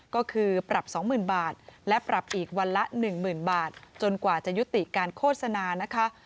ก็คือปรับ๒๐๐๐บาทและปรับอีกวันละ๑๐๐๐บาทจนกว่าจะยุติการโฆษณานะคะ